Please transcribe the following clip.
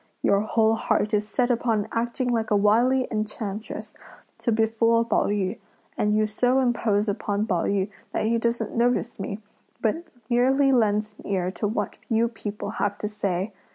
Your whole heart is set upon acting like a wily enchantress to befool Pao yü; and you so impose upon Pao yü that he doesn't notice me, but merely lends an ear to what you people have to say!